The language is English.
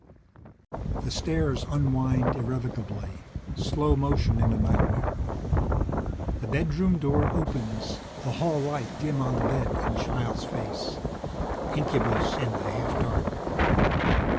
The stairs unwind irrevocably, slow motion in a nightmare. The bedroom door opens, the hall light dim on the bed and the child's face. Incubus in the half dark.